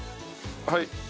はい。